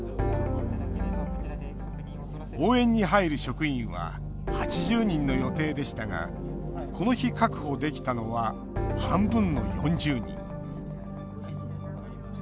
応援に入る職員は８０人の予定でしたがこの日、確保できたのは半分の４０人。